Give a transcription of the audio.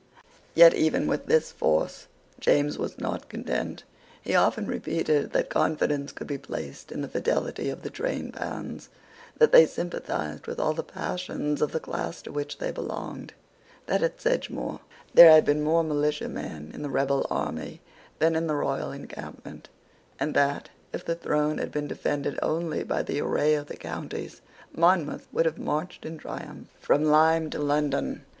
Yet even with this force James was not content. He often repeated that no confidence could be placed in the fidelity of the train bands, that they sympathized with all the passions of the class to which they belonged, that, at Sedgemoor, there had been more militia men in the rebel army than in the royal encampment, and that, if the throne had been defended only by the array of the counties, Monmouth would have marched in triumph from Lyme to London.